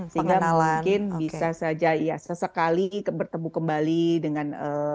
sehingga mungkin bisa saja ya sesekali bertemu kembali dengan